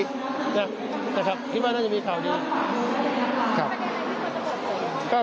นะครับคิดว่าน่าจะมีข่าวดีนะครับ